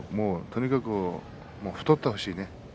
とにかく太ってほしいね。